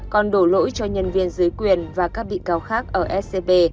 còn đổ lỗi cho nhân viên dưới quyền và các bị cáo khác ở scb